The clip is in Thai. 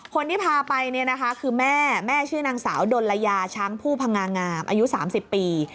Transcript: คนที่พาไปคือแม่แม่ชื่อนางสาวดนลยาช้างผู้พังงามอายุ๓๐ปี